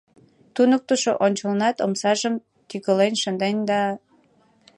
Туныктышо ончылнат омсажым тӱкылен шынден да...